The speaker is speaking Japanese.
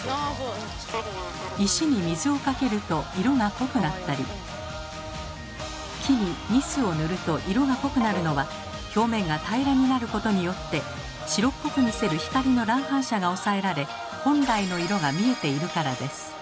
石に水をかけると色が濃くなったり木にニスを塗ると色が濃くなるのは表面が平らになることによって白っぽく見せる光の乱反射が抑えられ本来の色が見えているからです。